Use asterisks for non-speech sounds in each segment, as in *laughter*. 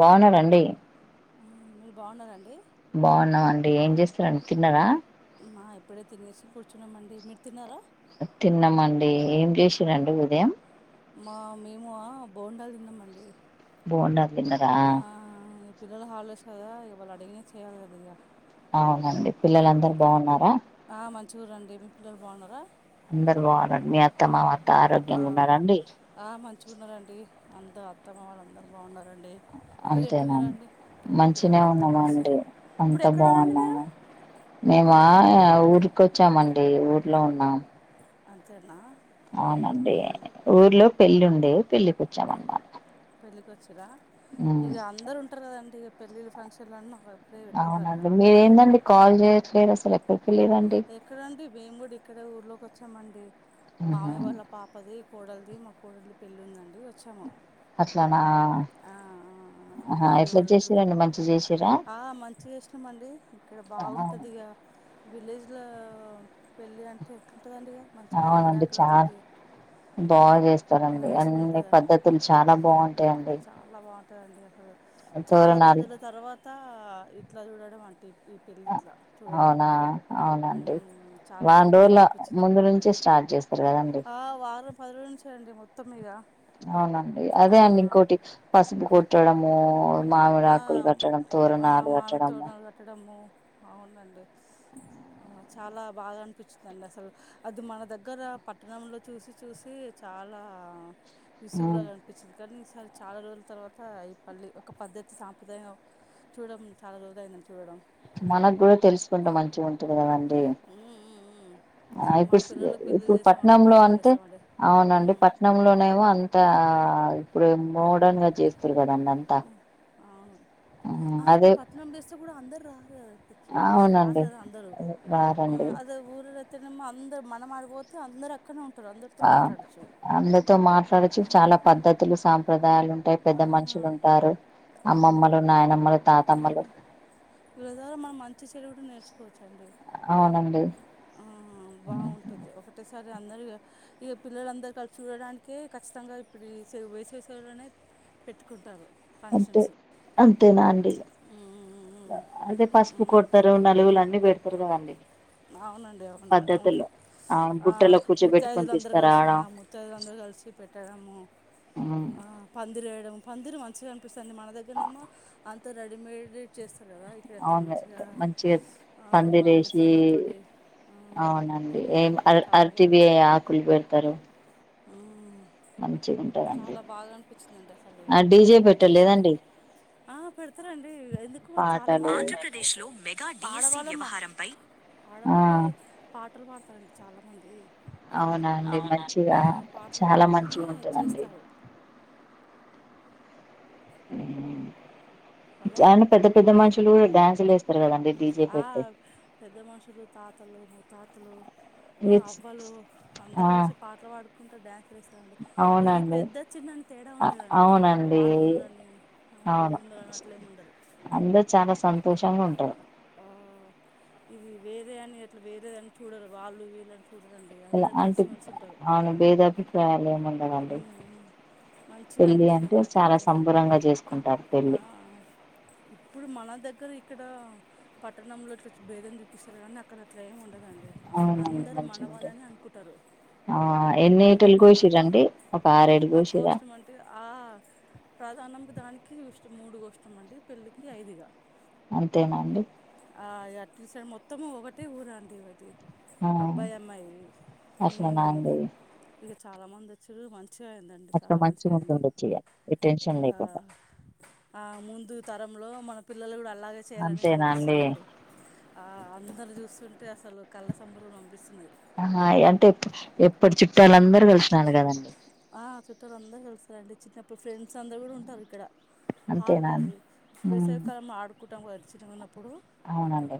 బాగున్నారండి మీరు బాగున్నారండి బాగున్నావ అండి ఏం చేస్తున్నారు తిన్నారా అమ్మ ఎప్పుడే తినేసి కూర్చున్నామండి మీరు తిన్నారా తిన్నామండి ఏం చేసిరండి ఉదయం బొండాలు తిన్నాంమండి బొండాలు తిన్నార పిల్లలు హల్ డేస్ కదా ఇవాళ అడిగిన చేయాలి కద ఇక అవునండి పిల్లలందరు బాగున్నారా చూడండి మీ పిల్లలు బాగున్నారా అందరు బాగున్నారండి మీ అత్తమామ ఆ ఆ మంచుకున్నారంటడి అంద అత్తమ్మ వాళ్ళ అందరు బాగున్నారు డి మీరు ఎట్లున్నారా అండి మంచిన ఉన్నామండి అంత బాగున్నా మేము ఆ ఊరికొ వచ్చామండి ఊర్లో ఉన్నాం అంతేనా అవునండి ఊర్లో పెళ్లిి ఉండే పెళ్లిి కూచ్చాం అన్నమాట పెళ్ళికి వచ్చరా ఉమ్, ఇక అందరుూ ఉంటారు కదండి ఇక పెళ్ళిళ్ళ ఫంక్షన్లున్న ఒక అవునండి మీర ఏందండి కాల్ చేయట్లేదు అసలు ఎక్కడికి వెళ్ళిరండి ఎక్కడండి మేము కూడా ఇక్కడ ఊర్లోకి వచ్చామండి మామ ఉహు. వాళ్ళ పాపది కోడలిది మా కోడలిది పెళ్ళి ఉందండి వచ్చాము అట్లానా ఆ ఆహా బాబాయ్ ఎట్లా వాళ్ళ చేసిరండి మంచిగా చేసిరా మంచి చేసాంమండి ఇక్కడ బాగుంటుంది ఇక విలేజ్ లో పెళ్ళి అంటే అవునండి చాన బాగా చేస్తా స్తారండి అన్ని పద్ధతులు చాలా బాగుంటాయిడి మాట అడి అలు చాలా రోజుల తర్వాత ఇట్లా చూడడం అంటే ఈ పెళ్లిి అ ఇట్లా చూడడం అవునా అవునండి వారం రోజల ముందు నుంచే స్టార్ట్ చేస్తారు కదండి పరులు చేయండి మొత్తం ఇగా అవునండి అదే అండి ఇంకోటి పసుపు కొట్టడము మామిడాాకులు కట్టడంం తోరనాాలు కట్టడంము అవునండి చాలా బాగా అనిపిించిందిండి అసలు అది మన దగ్గర పట్టణంలో చూసి చూసి చాలా ఉమ్, విసుగులాగా కనిపించింది కానీ ఈసారి చాలా రోజుల తర్వాత ఈ పల్ ఒక పద్ధతి సాంప్రదాయ చూడడం చాలా జోదైందని చూడడం మనకు కూడా తెలుసుకుంటే మంచిగా ఉంటుంది కదండి ఉమ్ ఉమ్మ్ ఆ ఇప్పుడు ఇప్పుడు పట్నంలో అంటే అవునండి పట్నంలోనేమో అంత ఆ ఇప్పుడు మోడర్న్ గా చేస్తురు కద నన్ను అంతా ఆ హా ఇప్పుడు పట్టణం పెస్తే కూడా అందరు రహా పిలుస్తారు అవునండి రదా అందరు ఆ రారండి అద ఊర అరయితే ని అందరు మనం ఆడపోతే అందర అక్కన ఉం ఆ అందరితో మాట్లాడచ్చు చాలా పద్ధతులు సాప దాయాలు ఉంటాయి పెద్ద మనుషులు ఉంటారు అమ్మమ్మలు నాయనమ్మలు తాతమ్మలు వీళ్ళ ద్వారా మన మంచి చెడు కూడా నేర్చు అవునండి ఆ బాగుంటది ఒకటే సరే అందర ఇగ పిల్లలందరి కలిసి ఉండడానికే ఖచ్చిత గా ఇప్పుడు ఈ సవ్ వేసేశాలనే పెట్టుకుంటారు అంతే ఫంక్షన్స్ అంతేనా అండి అదే పసుపు కొడతారు నలుగుల అన్ని పెడతారు కదండి ఆ అవునండి అవును అవును పద్ధతుల్లో అవును ఆ బుట్టలో కూర్చోబెట్టుకొని ముత్తయిదులందరూ కలిసి తీసుకురావడం ముత్తయిదులందరూ కలిసి పెట్టడము ఉమ్, ఆ పందిరేయడం పందిరు మంచిగా అనిపిస్తుంది మన దగ్గరనేమో అంత రెడీమిటెడ్ చేసు అవును వే క మంచిగా పందిరేసి అవునండి ఏం అరటి బి ఆకులు పెడతారు ఆ మన్ చాలా బాగా అనిపచ్చిందిండి అసలు ఆ డీజే వీటి చూసిటే పెట్టలేదండి ఆ పెడతారండి ఎందుకు చాలా మంది పాటలు ఆంధ్రప్రదేశ్ లో పడవాళ్ళమ ఆ ఆడవాళ్ళే పాటలు పాడతారండి చాలా అవునా అండి మంచిగా చాలా మంచిగా ఉంట చేస్తారు చానా పెద్ద పెద్ద మనుషులు డ్యాన్సులు చేస్తారు కదండి డీజే ఆ పెడితే హా పెద్ద మనుషులు తాతలు ముతాతలు ఆ ఇట్స్ అవ్వలు ఆ అందరు కలిసి పాటలు పాడుకుంట డ్యాన్స్ చేస్తారండి ఇది అవునండి పెద్ద చిన్నని తేడా అ ఉండదండి అవునండి వాళ్ళు ఉన్నదని ఆ అవును వీళ్లు ముందుగా అట్లే ఏం ఉండదు అందరు చానా సంతోషంగా ఉంటారు ఇది వేరే అని అట్లా వేరేదని చూడరు వాళ్ళు వీళ్ళని చు ఇలా అంటి అవును బేధాభిప్రాయాలు ఏముండదండి పెళ్లి అంటే చాలా సంబరంగా చేసుకుంటారు పెళ్లి ఇప్పుడు మన మా దగ్గర ఇక్కడ పట్టణంలో ఇట్లా భేదం చూపిస్తారు కానీ అక్కడ అట్లా ఏమి ఉండదండి అవునండి మంచి ఉంటయి ఆ ఎన్ని *unintelligible* షరండి ఆ కోసినమంటే ఆ హా ప్రధాన మనకి దానికి ఇష్టం మూడుగా కోసినామ్ అంటే పెళ్ళికి ఐదుగా అంతేనా అండి అట్ సారి మొత్తము ఒకటే ఊరండి వ అది ఆ అబ్బాయి అమ్మాయి అట్లనా అండి హ్మ్మ్ చాలా మంది వచ్చారు మంచి మంచిగాయిందండి అట్లా చాలా మంచిగా అయింది ఉంటుండొచ్చు ఇగ ఏ టెన్షన్ లేకుండా ఆహా ముందు తరంలో మన పిల్లలు కూడా అలాగే చేయాలని అంతేనా అండి అనిపిస్తుందిండి ఆ అందరు చూస్తు తే అసలు కళ్ళ సంబరం పంపిస్తున్నది ఆహా అంటే ఎప్- ఎప్పటి చుట్టాలందరూ కలిసినారు కదండి ఆ చూట్టలు అందరు కలుస్తారండి చిన్నప్పుడు ఫ్రెండ్ అందర కూడా ఉంటారు ఇక్కడ హాలద అంతేనా అండి ఉమ్ వేసవికాలంలో ఆడుకుంటాం చిన్నగా ఉన్న అప్పుడు అవునండి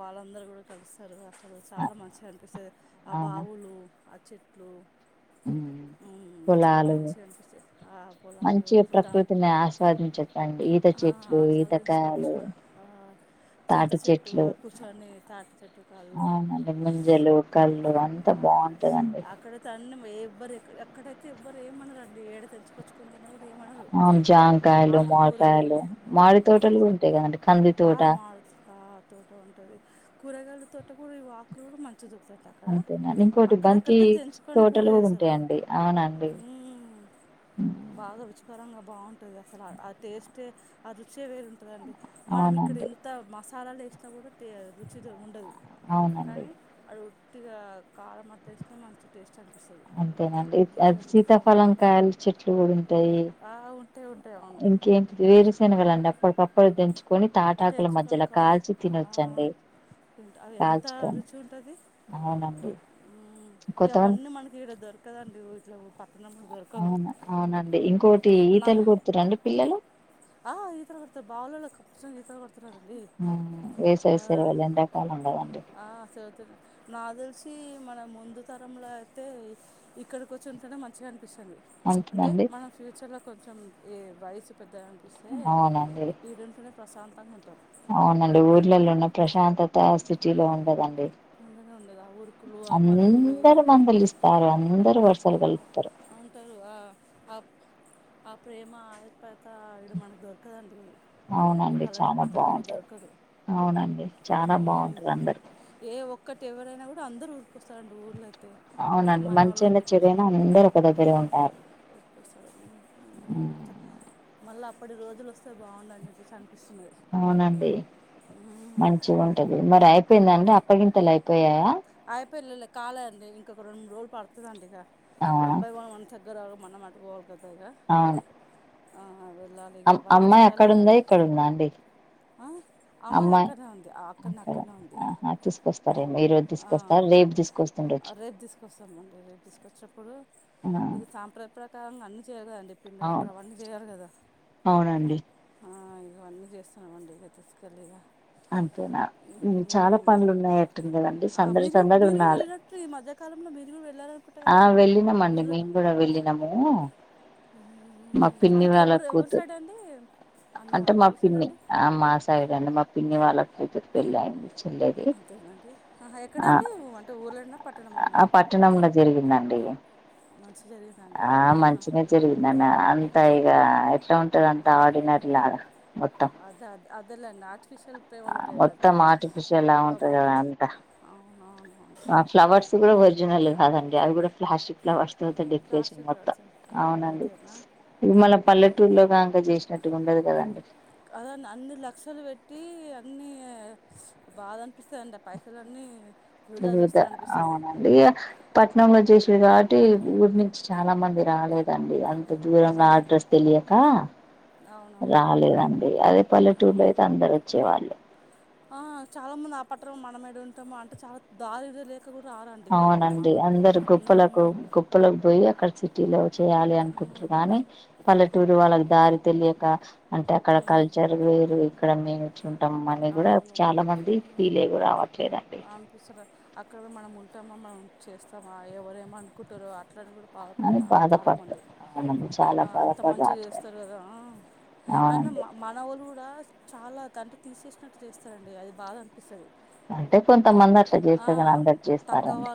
వాళ్ళందరూ కూడా కలుస్తారు అ సలా మంచిగా అనిపిస్తుంది ఆ బావులు ఆ చెట్లు హ్మ్మ్ పొలాలు మంచి ప్రకృతిని ఆస్వాదించచ్చండి ఈత ఆ చెట్టు ఆస్వాదించుకోవచ్చు ఆహ్ తాటి చెట్లు అవునండి ముంజలు కళ్ళు అంతా బాగు అక్కడైతే అన్నమ్ ఎవ్వరు ఎక్కడైతే ఎవ్వరు ఏమనరండి ఏడ తెంచుకొచ్చుకని తిన్నా కూడా ఆ జామకాయలు మాడికాయలు మాడి తోటలు కూడా ఉంటాయి కదండి కంది తోట ఆ తోట ఉంటది కూరగాయల తోట కూడా ఈ ఆక్కురా కూడా మంచిగా దొరుకుతంటయి అక్కడ అక్కడక్కడికి తెంచుకని పట్టలు కూడా ఉంటాయండి అవునండి బాగుంటంది అసలు ఆ టేస్ట్ ఏ ఆ రుచే వేరుంటదండి మనం ఇక్కడ అవునండి ఇంత మస సాలాలు చాలా వేసినా తీ కూడా రుచితో ఉండదు అవునండి కానీ వాడు ఉత్తిగా కారం అట్టేస్తేనే మంచి టేస్ట్ అంతేనండి అది సీతాఫలం కాయలు చెట్లు కూడా ఉంటయి ఇంకేంటిది వేరు సేనగలండి అప్పటికప్పుడు దంచు కొని తాటాకుల మధ్యలో కాల్చి తినోచ్చండి కాల్చుకొని అవునండి ఉమ్ కొత్త ఇవన్నీ మనకి ఇడ దొరకదండి ఊర్లో ఇట్లా పక్క అవును అవునండి ఇంకోటి ఈతలు కొడుతురండి పిల్లలు ఆ ఈతలు కొడతారు బావిలల్లో కంపొల్సరీ ఈతలు కొడుతార్ ఉమ్ వేసవి సెలవలు ఎండాకాలం కదండీ ఆ చదుతు నా తెలిసి మన ముందు తరంలో అయితే ఇక్కడికి వచ్చు మంచిగా అనిపిస్తుంది అంటే అంతేనండి మన ఫ్యూచర్ లో కొంచెం ఈ వయస్సు పెద్దగా అనిపిస్తే అవునండి ఈడుంటూనే ప్రశాంతంగా ఉంటాం అవునండి ఊర్లల్లో ఉన్న ప్రశాంతత సిటీలో ఉండదండి అందరు మందలిస్తారు అందరు వర్స ఆ వుంటారు ఆ ఆ ప్రేమ ఆప్యాయత ఇడ మనకు దొరకదండి ఈ అవునండి పల్లెటూ చాలా పట్టణంలో బాగుంటది దొరకదు అవునండి చాలా బాగుంటారు అందరు ఏ ఒక్కటి ఎవరైనా కూడా అందరు ఊరుకొస్తారండి ఊర్ళకి అవునండి మంచైనా చెడైనా అందరు ఒక దగ్గరే ఉంటారు ఉమ్, స్త మళ్ళా అప్పటి రోజులు వస్తే బాగుండూ అని చెప్పేసి అ అవునండి మంచిగా ఉంటది మరి అయిపోయిందా అండి అప్పగింతలు అయిపోయాయా పెళ్ళిలో కాలే అండి ఇంక రెండు మూడు రోజులు పడుతద అంట ఇక అవునా అబ్బాయి వాళ్ళు మన తగ్గర రారు మనం అటుపోవాల గదే గా అం అమ్మాయి అక్కడ ఉందా ఇక్కడ ఉందా అండి ఆ అమ్మాయి అక్కడనే ఉంది ఆ అక్కన్నే అక్కన్నే ఉంది సరే ఈరోజు తీసుకొస్తార రేపు తీసుకొస్తరా రేపు తీసుకొస్తామండి రేపు తీసుకొచ్చినప్పుడు ఇది సాంప్రదాయ ప్రకారంగా అన్ని చేస్తాను పిండి వంటలు అవును అవన్నీ చేయాలి కదా అవునండి ఆహ్ ఇవన్నీ చేస్తున్నామండి ఇక తీసుకెళ్ళి ఇక అంతేనా ఉమ్ చాలా పనులు ఉన్నాయట్టుందే కదండి సందడి సందడి ఉన్నాలే ఈ కాలంలో మెరుగులు పెడతా ఆ వెళ్ళినామండి మేము కూడా వెళ్ళినమూ ఉమ్ అంటే ఎవరు ఎవరు కూతురు సైడ్ అండి అంటే మా పిన్ని ఆ మా సైడ్ అండి మా పిన్ని వాళ్ళ కూతురు పెళ్ళి అయింది చెల్లెది అంతేనా అండి ఆహా ఎక్కడ ఆ అండి అంటే ఊర్లోనా పట్టణంలోనా ఆ పట్టణంలో ఆ మంచిగా జరిగిందన్నా అంత ఇగ ఎట్లా ఉంటాడంట అంతా ఆర్డినరీ లాగా మొత్తం అదేలండి ఆర్డి మొత్తం ఆర్టిఫిసియల్ లా ఉంటాది కదా అంతా ఆ ఫ్లవర్స్ కూడా ఒరిజినల్ కాదండి అవి కూడా ప్లాస్టిక్ ఫ్లవర్స్ యే తర్వాత డెకరేషన్ మొత్తం అవునండి ఇది మళ పల్లెటూరులో కాక చేసినట్ ఇంటి ముందర కదండి అదన్న అన్ని లక్షలు పెట్టి అన్నీ బాధ అనిపిస్తాయిండి పైసలు అన్నీ వివిధ అవునండి పట్నంలో చేసిరు కా బట్టి ఊరి నుంచి చాలా మంది రాలేదండి అంత దూరంలో అడ్రస్ తెలియక రాలేదండి అదే పల్లెటూరులో అయితే అందరు వచ్చే వాళ్ళు ఆ చాలా మంది ఆ పఠనం మనం ఏడు ఉంటాము అంటే చాలా దారిదే తేలేదు అవునండి అందరు గొప్పలకు గోప్పలకు పోయి అక్కడ సిటీలో చేయాలి అనుకుంటురు గాని అని పల్లెటూరు వాళ్ళకి దారి తెలియక అంటే అక్కడ కల్చర్ వేరు ఇక్కడ మేయి ఉంటాం అని కూడా చాలా మంది ఫీల్ అయ్యి కూడా రావట్లేదండి అక్కడ మనం ఉంటామా మనం చేస్తామా ఎవరేమో అనుకుంటారో అ అట్లని కూడా బాధపడి అని రారు చాలా మంది బాధపడతారు అవునండి చాలా అంత బాధపడి మంచిగా రావట్లేదు చేస్తారు కదా అయిన అవునండి మన మనవోళ్ళు కూడా చాలా తట్టి తీసేసినట్టు చేస్తారండి అది బాధ అనిపిస్తది అంటే కొంతమంది అట్లా చేస్తేర్ కాని అందరు చేస్తారండి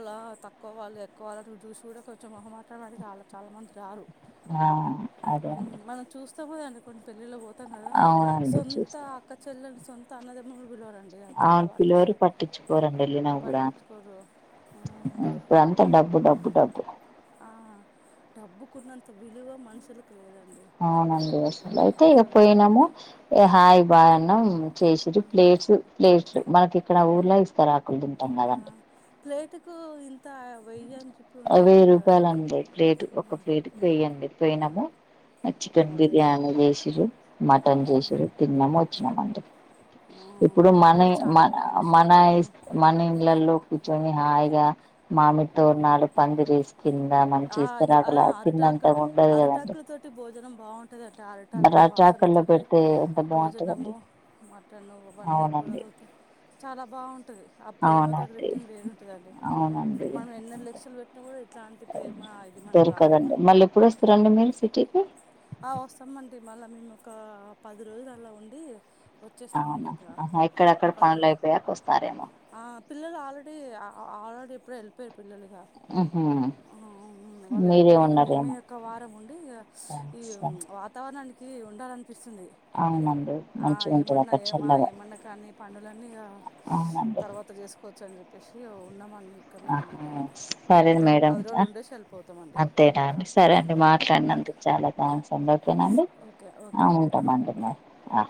ఎక్కవాలు ఎక్కువాలని చూసి కూడా కొంచెం మొహమాటపడి చాలా చాలా మంది రారు ఆ అదే అండి సొంతమోలు అనుకోని పెళ్ళిలకు పోతాం కదా అవునండి సొంత చూస్తా అక్క చెల్లలు సొంత అన్నదమ్ములు కూడా రారు అవును పిలవరు పట్టించు కోరు వెళ్ళిన కూడా ఇప్పుడు అంతా డబ్బు డబ్బు డబ్బు ఆ డబ్బుకున్నంత విలువ మనుషులకి అవునండి అట్లా అయితే ఇక పోయినాము హాయి్ బాయ్ అన్నం చేసిరి ప్లేట్స్ ప్లేట్స్ మనకి ఇక్కడ ఊర్లా ఇస్తారాకులు తింటాం కదండి వెయ్యి రూపాయలు అండి ప్లేట్ ఒక ప్లేట్ వెయ్యండి పోయినాము ఆ చికెన్ బిర్యానీ చేసిర్రు మటన్ చేసిర్రు తిన్నాము వచ్చినాము అండి ఇప్పుడు మన మ మన ఐస్ మన ఇళ్లలో కూర్చొని హాయిగా మామిడి తోరణాలు పందిరి ఏసీ కింద ఇస్తరాకుల తిన్నంత ఉంటది కదండీ ఉంటది అండి అరిటాకులు వాసన తోటి పెడితే ఎంత భోజనము బాగుంటదండి మటను అవన్నీ అవునండి కూరలు చాలా బాగుంటది ఆ ప్రేమతోోటి అవునండి పెట్టింది వేరుంటుందండి అవునండి మనం ఎన్నన్నీ లక్షలు పెట్టినా కూడి దొరకదండి మళ్ళీ ఎప్పుడు వస్తారండి మీరు సిటీకి ఆ వస్తామండి మళ్ళీ మేము ఒక పది రోజుల అలా ఉండి అవునా ఆహా ఇక్కడక్కడ పనులు అయిపోయాక వస్తారు ఆ పిల్లలు ఆల్రెడీ ఆ ఆల్రెడీ ఎప్పుడో వెళ్ళిపోయారు పిల్లలుగా ఉహు ఆ వాళ్ళు మీరే వెళ్లిపోయారు మేమే ఉన్నారేమో ఒక వారం ఉండి ఇగా సరే వాతావరణానికి ఉండాలనిపిస్తుంది అవునండి ఆ మంచిగా ఉంటది ఏమన్నా అక్కడ ఏ చల్లగా ఏమన్నా కానీ పనులన్నీ ఇగ అవునండి తర్వాత చేసుకోవచ్చు అని చెప్పి ప్పేశి ఉన్నాం ఆన్ ఆహా సరే మేడం ఇంకా అంతేనా అండి సరే అండి మాట్లాడినా అందుకు చాల థాంక్స్ అండి ఓకేనండి ఆ ఉంటామండి మరి ఆ